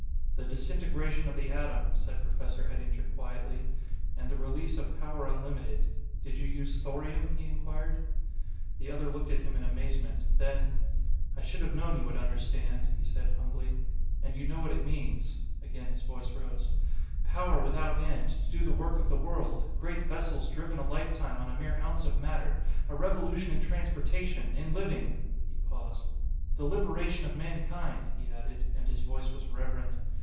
" The disintegration of the atom," said Professor Eddinger quietly, "and the release of power unlimited. Did you use thorium?" he inquired. The other looked at him in amazement. Then: "I should have known you would understand," he said humbly. "And you know what it means" again his voice rose "power without end to do the work of the world great vessels driven a lifetime on a mere ounce of matter a revolution in transportation in living...." He paused. "The liberation of mankind," he added, and his voice was reverent.